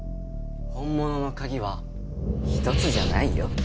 本物の鍵は１つじゃないよ。